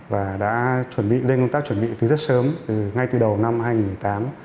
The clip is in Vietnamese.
và đã chuẩn bị lên công tác chuẩn bị từ rất sớm ngay từ đầu năm hai nghìn tám